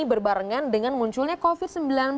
berbarengan dengan munculnya covid sembilan belas